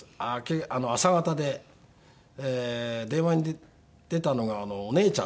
朝方で電話に出たのがお姉ちゃんで。